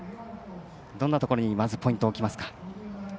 どんなところにポイントを置きますか？